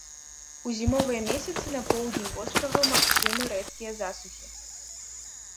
У зімовыя месяцы на поўдні вострава магчымы рэдкія засухі.